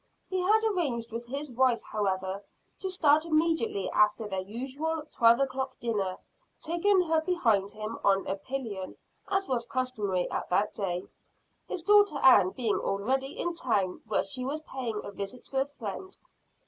He had arranged with his wife, however, to start immediately after their usual twelve o'clock dinner, taking her behind him on a pillion, as was customary at that day his daughter Ann being already in town, where she was paying a visit to a friend.